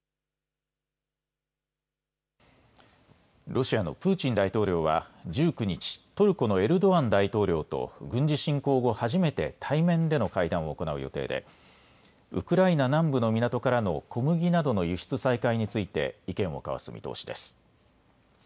ロシアのプーチン大統領は１９日、トルコのエルドアン大統領と軍事侵攻後、初めて対面での会談を行う予定でウクライナ南部の港からの小麦などの輸出再開について意見を交わす見通しです。